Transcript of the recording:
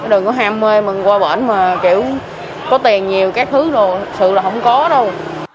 đừng có ham mê mình qua bển mà kiểu có tiền nhiều các thứ đâu sự là không có đâu